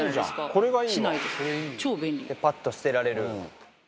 「でパッと捨てられる」